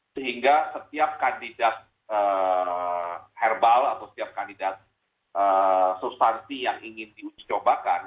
sehingga setiap kandidat herbal atau setiap kandidat substansi yang ingin diuji cobakan